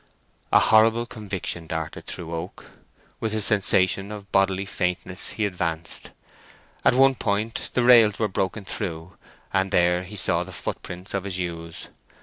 A horrible conviction darted through Oak. With a sensation of bodily faintness he advanced: at one point the rails were broken through, and there he saw the footprints of his ewes.